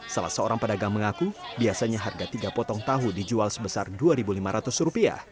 salah seorang pedagang mengaku biasanya harga tiga potong tahu dijual sebesar rp dua lima ratus